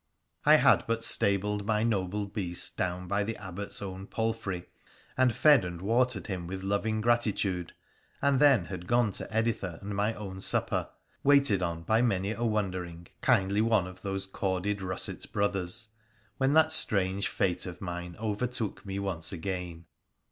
I had but stabled my noble beast down by the Abbot's own palfrey, and fed and watered him with loving gratitude, and then had gone to Editha and my own supper (waited on by many a wondering, kindly one of these corded, russet Brothers), when that strange fate of mine overtook me once again.